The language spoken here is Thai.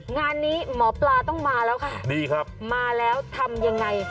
งานนี้หมอปลาต้องมาแล้วค่ะดีครับมาแล้วทำยังไง